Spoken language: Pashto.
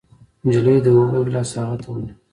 نجلۍ د اوبو ګېلاس هغه ته ونيو.